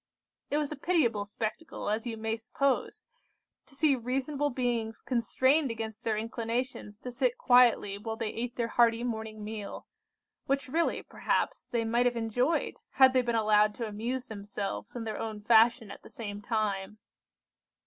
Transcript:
"It was a pitiable spectacle, as you may suppose, to see reasonable beings constrained against their inclinations to sit quietly while they ate their hearty morning meal, which really, perhaps, they might have enjoyed, had they been allowed to amuse themselves in their own fashion at the same time.